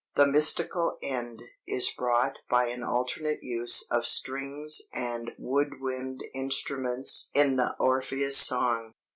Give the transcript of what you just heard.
The 'mystical end' is brought by an alternate use of strings and wood wind instruments in the Orpheus song."